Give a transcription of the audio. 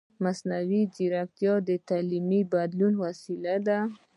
مصنوعي ځیرکتیا د تعلیمي بدلون وسیله ده.